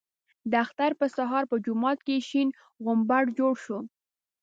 د اختر په سهار په جومات کې شین غومبر جوړ شو.